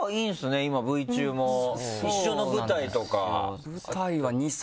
今ＶＴＲ中も一緒の舞台とか。